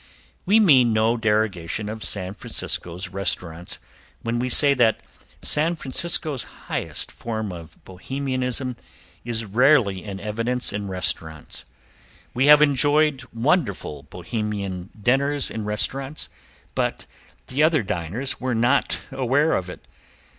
We mean no derogation of San Francisco's restaurants when we say that San Francisco's highest form of Bohemianism is rarely in evidence in restaurants. We have enjoyed wonderful Bohemian dinners in restaurants, but the other diners were not aware of it.